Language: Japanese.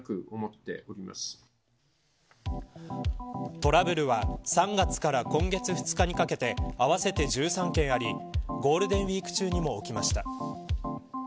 トラブルは３月から今月２日にかけて合わせて１３件ありゴールデンウイーク中にも起きました。